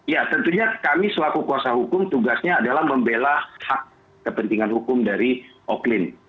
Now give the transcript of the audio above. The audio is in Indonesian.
ya tentunya kami selaku kuasa hukum tugasnya adalah membela hak kepentingan hukum dari oklin